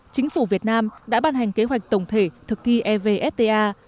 chính phủ việt nam đã ban hành kế hoạch tổng thể thực thi evfta